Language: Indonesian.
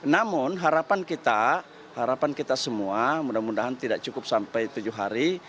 namun harapan kita harapan kita semua mudah mudahan tidak cukup sampai tujuh hari